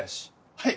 はい。